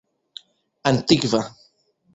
antikva